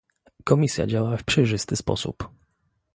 Komisja działa w przejrzysty sposób